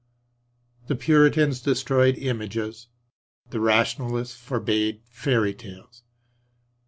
The Puritans destroyed images; the Rationalists forbade fairy tales.